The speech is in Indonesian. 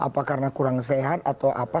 apa karena kurang sehat atau apa